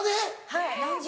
はい。